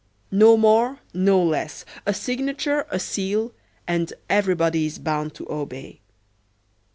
No more, no less, a signature, a seal, and everybody is bound to obey.